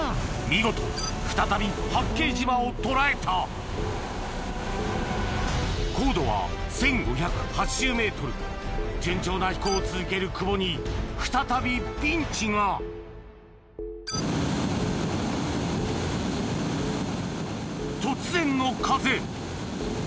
見事再び八景島を捉えた高度は１５８０ｍ順調な飛行を続ける久保に再びピンチが突然の風！